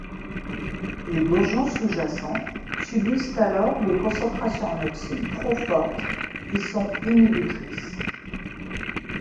Les bourgeons sous-jacents subissent alors des concentrations en auxine trop fortes qui sont inhibitrices.